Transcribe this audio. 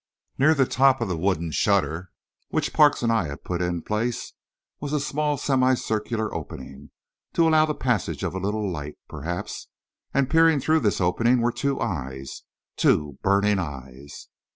Near the top of the wooden shutter, which Parks and I had put in place, was a small semi circular opening, to allow the passage of a little light, perhaps, and peering through this opening were two eyes two burning eyes....